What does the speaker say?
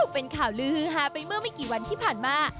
เป็นข่าวลือฮือฮาไปเมื่อไม่กี่วันที่ผ่านมา